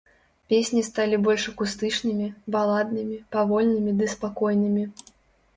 Песні сталі больш акустычнымі, баладнымі, павольнымі ды спакойнымі.